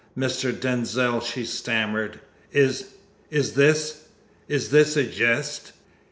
"Mr. Denzil," she stammered, "is is this is this a jest?"